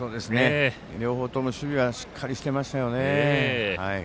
両方とも守備はしっかりしてましたよね。